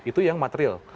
itu yang material